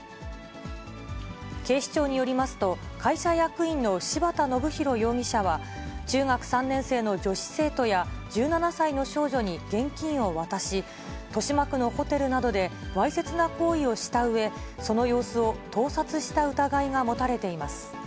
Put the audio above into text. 警視庁によりますと、会社役員の柴田伸弘容疑者は、中学３年生の女子生徒や１７歳の少女に現金を渡し、豊島区のホテルなどでわいせつな行為をしたうえ、その様子を盗撮した疑いが持たれています。